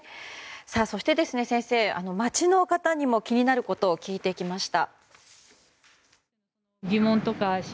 そして先生、街の方にも気になることを聞いてきました。